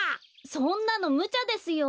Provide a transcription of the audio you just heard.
そんなのむちゃですよ。